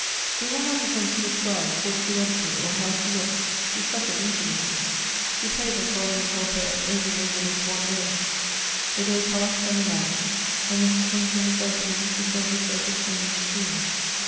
We will not attempt to describe what she went 136 Goethe's through, or how she wept. She suffered infinitely. She prayed that God would help her only over this one day. The day passed, and the night, and w;hen she came to herself again she felt herself a changed being.